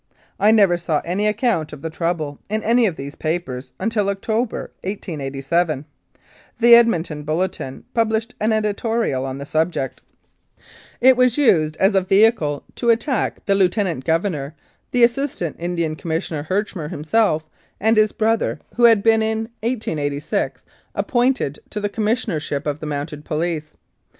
I never saw any account of the trouble in any of these papers until in October, 1887, the Edmonton Bulletin published an editorial on the subject. It was used as a 149 Mounted Police Life in Canada vehicle to attack the Lieutenant Governor, the Assistant Indian Commissioner, Herchmer himself, and his brother, who had been in 1886 appointed to the Com missionership ol the Mounted Police.